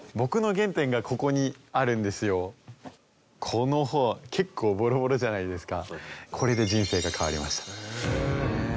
この本結構ボロボロじゃないですか。